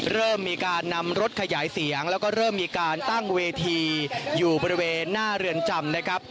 เริ่มมีการนำรถขยายเสียงแล้วก็เริ่มมีการตั้งเวทีอยู่บริเวณหน้าเรือนจำนะครับ